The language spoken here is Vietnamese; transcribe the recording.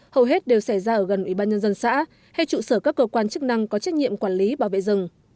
hầu hết đều xảy ra ở gần ủy ban nhân dân xã hay trụ sở các cơ quan chức năng có trách nhiệm quản lý bảo vệ rừng